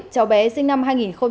cháu bé sinh năm hai nghìn hai